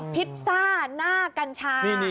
พิซซ่าหน้ากัญชา